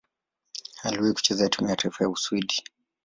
Aliwahi kucheza timu ya taifa ya Uswidi.